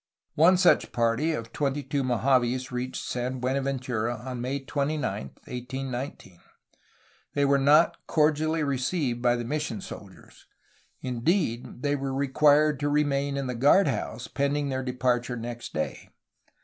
One such party of twenty two Mojaves reached San Buenaventura on May 29, 1819. They were not cordially received by the mission soldiers; indeed, they were required to remain in the guard house, pending their departure next day.